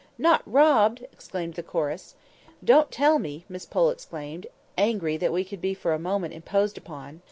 "Not robbed!" exclaimed the chorus. "Don't tell me!" Miss Pole exclaimed, angry that we could be for a moment imposed upon.